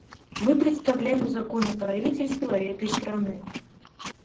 Мы представляем законное правительство этой страны.